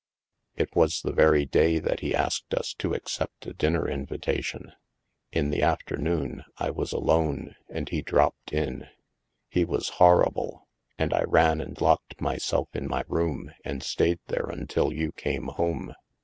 " It was the very day that he asked us to accept a dinner invitation. In the afternoon I was alone, and he dropped in. He was horrible, and I ran and locked myself in my room and stayed there until you came home.